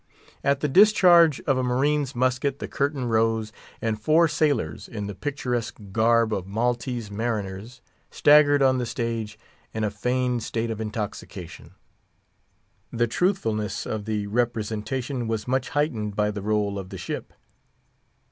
At the discharge of a marine's musket the curtain rose, and four sailors, in the picturesque garb of Maltese mariners, staggered on the stage in a feigned state of intoxication. The truthfulness of the representation was much heightened by the roll of the ship.